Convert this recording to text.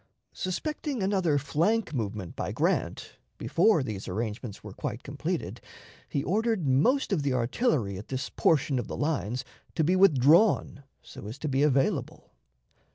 Suspecting another flank movement by Grant, before these arrangements were quite completed, he ordered most of the artillery at this portion of the lines to be withdrawn so as to be available.